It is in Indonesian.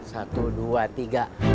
satu dua tiga